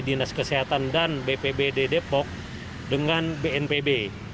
dinas kesehatan dan bpb di depok dengan bnpb